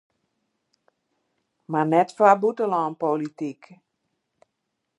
Mar net foar bûtenlânpolityk.